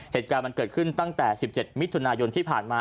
เหตุการณ์มันเกิดขึ้นตั้งแต่๑๗มิถุนายนที่ผ่านมา